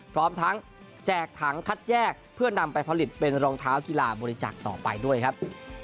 พร้อมทั้งแจกถังคัดแยกเพื่อนำไปผลิตเป็นรองเท้ากีฬาบริจาคต่อไปด้วยครับ